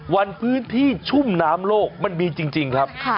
วันพื้นที่ชุ่มน้ำโลกมันมีจริงครับ